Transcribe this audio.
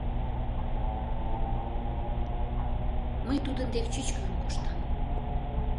Мый тудын дек чӱчкыдын коштам.